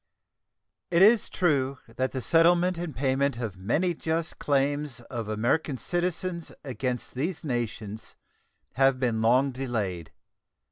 It is true that the settlement and payment of many just claims of American citizens against these nations have been long delayed.